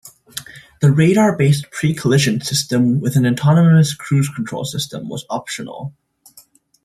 The radar-based pre-collision system with an autonomous cruise control system was optional.